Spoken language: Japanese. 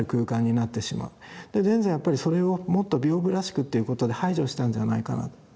田善はやっぱりそれをもっと屏風らしくということで排除したんじゃないかな。